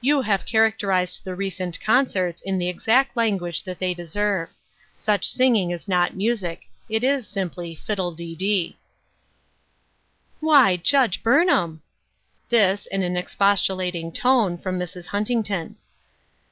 "You have characterized the recent concerts in the exact language that they deserve. Such singing is not music ; it is simply ' fiddle dee dee I *"" Why, Judge Burnham I " This, in an expostulating tone, from Mrs. Huntington.